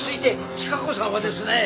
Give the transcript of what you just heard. チカ子さんはですね。